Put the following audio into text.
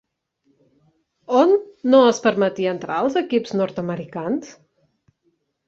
On no es permetia entrar als equips nord-americans?